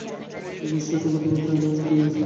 বিশ্বাস-ই করতে পারছি না তুমি সত্যিই ফিরেছো।